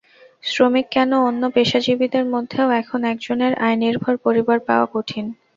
শ্রমিক কেন, অন্য পেশাজীবীদের মধ্যেও এখন একজনের আয়নির্ভর পরিবার পাওয়া কঠিন।